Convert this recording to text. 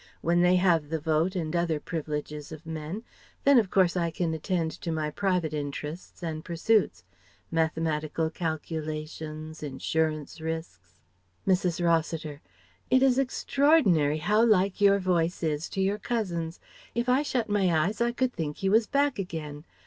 When they have the vote and other privileges of men, then of course I can attend to my private interests and pursuits mathematical calculations, insurance risks " Mrs. Rossiter: "It is extraordinary how like your voice is to your cousin's. If I shut my eyes I could think he was back again.